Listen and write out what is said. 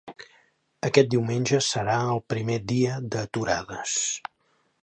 Aquest diumenge serà el primer dia d'aturades.